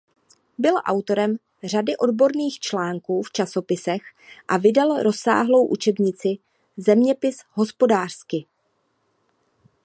Byl autorem řady odborných článků v časopisech a vydal rozsáhlou učebnici "Zeměpis hospodářský".